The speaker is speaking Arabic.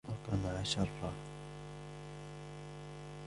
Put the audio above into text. وَقَمَعَ شَرَّهُ